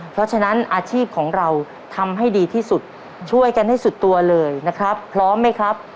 เพราะฉะนั้นอาชีพของเราทำให้ดีที่สุดช่วยกันให้สุดตัวเลยนะครับพร้อมไหมครับ